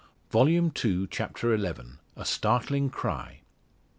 Volume Two, Chapter XI. A STARTLING CRY.